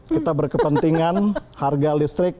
kita berkepentingan harga listrik